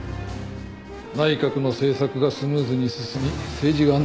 内閣の政策がスムーズに進み政治が安定する事。